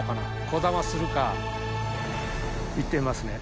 こだまするか、いってみますね。